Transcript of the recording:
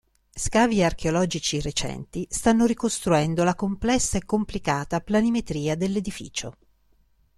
Scavi archeologici recenti stanno ricostruendo la complessa e complicata planimetria dell'edificio.